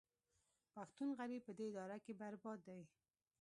پښتون غریب په دې اداره کې برباد دی